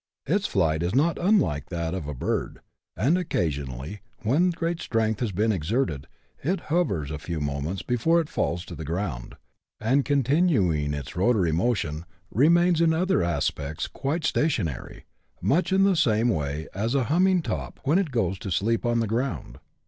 Its flight is not unlike that of a bird ; and occasionally, when great strength has been exerted, it hovers for a few moments before it falls to the ground, and, continuing its rotatory motion, remains in other respects quite stationary, much in the same way as a humming top when it goes to sleep on the ground.